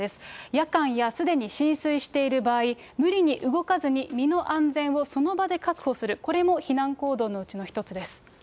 夜間や、すでに浸水している場合、無理に動かずに、身の安全をその場で確保する、これも避難行動のうちの一つです。